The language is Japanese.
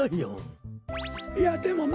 いやでもまてよ。